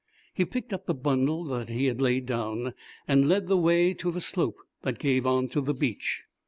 He picked up the bundle that he had laid down and led the way to the slope that gave on the beach.